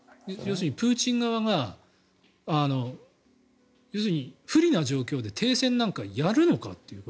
プーチン側が要するに不利な状況で停戦なんかやるのかと。